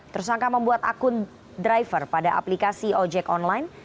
tersangka membuat akun driver pada aplikasi ojek online